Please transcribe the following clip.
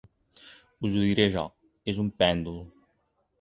Us ho diré jo: és un pèndol.